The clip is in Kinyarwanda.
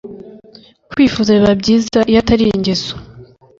Kwifuza biba byiza iyo Atari ingeso